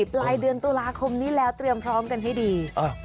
ปลายเดือนตุลาคมนี้แล้วเตรียมพร้อมกันให้ดี